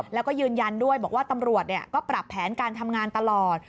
แล้วก็ยืนยันด้วยบอกว่าตำรวจก็ปรับแผนการทำงานตลอด